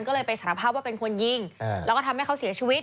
ก็เลยไปสารภาพว่าเป็นคนยิงแล้วก็ทำให้เขาเสียชีวิต